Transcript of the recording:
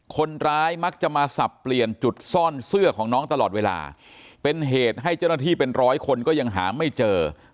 คนร้ายมักจะมาสับเปลี่ยนจุดซ่อนเสื้อของน้องตลอดเวลาเป็นเหตุให้เจ้าหน้าที่เป็นร้อยคนก็ยังหาไม่เจอ